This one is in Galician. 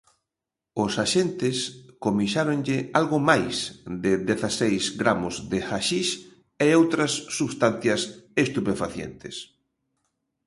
Os axentes comisáronlle algo máis de dezaseis gramos de haxix e outras substancias estupefacientes.